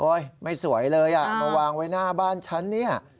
โอ๊ยไม่สวยเลยมาวางไว้หน้าบ้านฉัน